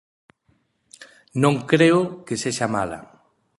Non creo que sexa mala.